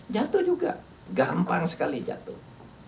jatuh juga gampang sekali jatuh